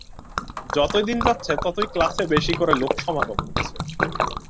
যতই দিন যাচ্ছে, ততই ক্লাসে বেশী করে লোক সমাগম হচ্ছে।